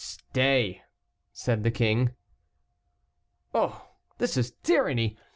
"Stay," said the king. "Oh! this is tyranny.